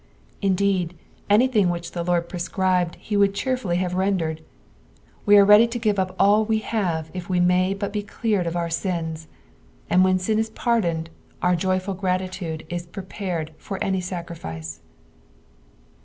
lodeed, BDjthing which the Lord prescribed he would cheerfully have rendered. We are Teadf to give up all we have if we taiaj but be cleued of our iiios ; and when sin ia pardoned our jojful gratitude is prepared for anj sacrifice.